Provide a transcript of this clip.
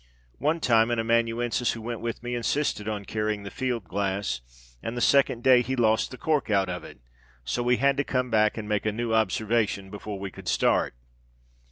One time an amanuensis who went with me insisted on carrying the field glass, and the second day he lost the cork out of it, so we had to come back and make a new observation before we could start.